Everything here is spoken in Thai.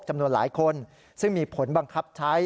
จำนวนหลายคนซึ่งมีผลบังคับใช้